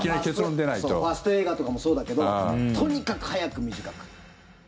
ファスト映画とかもそうだけどとにかく早く、短く。